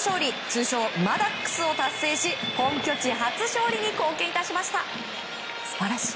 通称マダックスを達成し本拠地初勝利に貢献致しました。